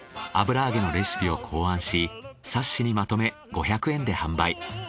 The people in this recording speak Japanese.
油揚げのレシピを考案し冊子にまとめ５００円で販売。